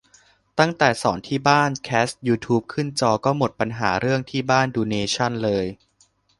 ตั้งแต่สอนที่บ้านแคสยูทูปขึ้นจอก็หมดปัญหาเรื่องที่บ้านดูเนชั่นเลย